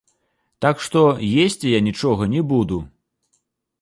Так што, есці я нічога не буду!